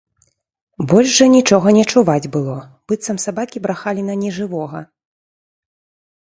Больш жа нічога не чуваць было, быццам сабакі брахалі на нежывога.